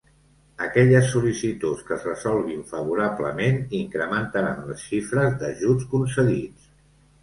Aquelles sol·licituds que es resolguin favorablement incrementaran les xifres d'ajuts concedits.